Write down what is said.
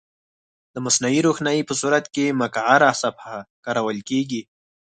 د مصنوعي روښنایي په صورت کې مقعره صفحه کارول کیږي.